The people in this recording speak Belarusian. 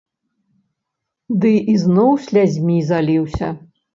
Ды ізноў слязьмі заліўся.